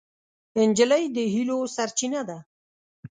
نجلۍ د هیلو سرچینه ده.